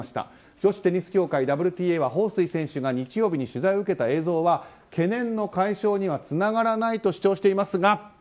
女子テニス協会・ＷＴＡはホウ・スイ選手が日曜日に取材を受けた映像は懸念の解消にはつながらないと主張していますが。